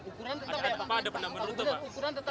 ada apa apa ada benda menurutnya